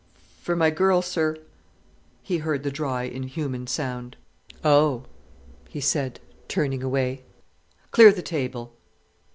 "For my girl, sir," he heard the dry, inhuman sound. "Oh!" he said, turning away. "Clear the table."